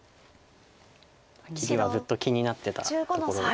切りはずっと気になってたところです。